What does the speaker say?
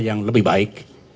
yang lebih baik